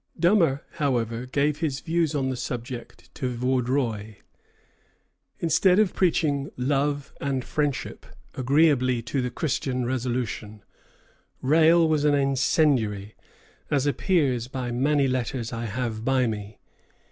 Dummer, however, gave his views on the subject to Vaudreuil. "Instead of preaching peace, love, and friendship, agreeably to the Christian religion, Rale was an incendiary, as appears by many letters I have by me.